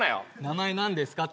名前何ですか？